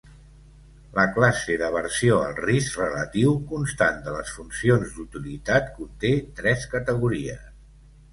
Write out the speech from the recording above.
La classe d'aversió al risc relatiu constant de les funcions d'utilitat conté tres categories.